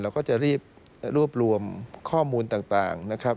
ก็จะรีบรวบรวมข้อมูลต่างนะครับ